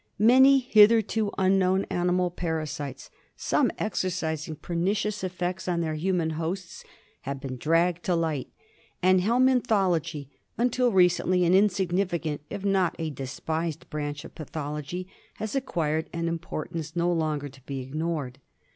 Many hitherto unknown animal para sites, some exercising pernicious effects on their human hosts, have been dragged to light ; and helminthology, until recently an insignificant, if not a despised, branch of pathology, has acquired an importance no longer to be ignored.